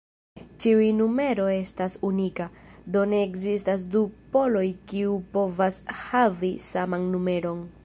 Ĉiuj numero estas unika, do ne ekzistas du poloj kiu povas havi saman numeron.